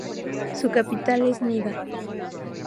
Su capital es Nida.